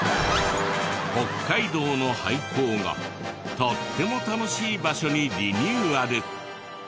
北海道の廃校がとっても楽しい場所にリニューアル。